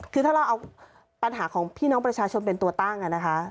คือถ้าเราเอาปัญหาของพี่น้องประชาชนเป็นตัวตั้งนะคะ